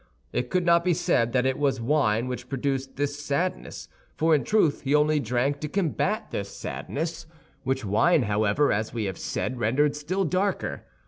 It could not be said that it was wine which produced this sadness; for in truth he only drank to combat this sadness, which wine however, as we have said, rendered still darker.